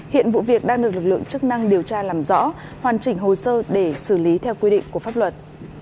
hiện vụ việc đang được lực lượng chức năng điều tra làm rõ hoàn chỉnh hồ sơ để xử lý theo quy định của pháp luật